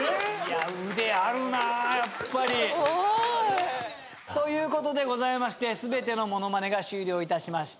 腕あるなやっぱり。ということでございまして全てのモノマネが終了いたしました。